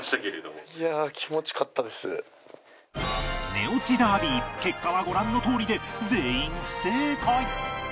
寝落ちダービー結果はご覧のとおりで全員不正解